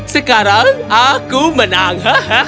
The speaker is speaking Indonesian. sekarang aku menang